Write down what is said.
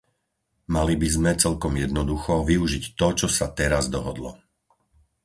Mali by sme, celkom jednoducho, využiť to, čo sa teraz dohodlo.